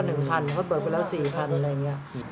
เขาเปิดไปแล้ว๔คันอะไรอย่างนี้